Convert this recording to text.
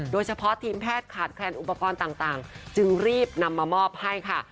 โดยเฉพาะทีมแพทย์ขาดแคลนอุปกรณ์ต่างจึงรีบนำมามอบให้ค่ะ